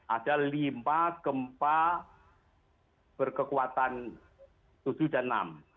ada lima gempa berkekuatan tujuh dan enam